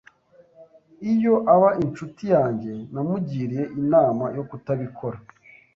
Iyo aba inshuti yanjye, namugiriye inama yo kutabikora.